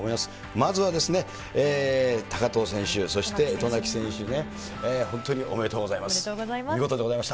まずは高藤選手、そして渡名喜選手ね、本当におめでとうございまおめでとうございます。